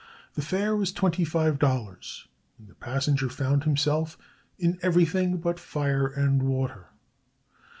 The fare was twenty five dollars, and the passenger found himself "in everything but fire and water."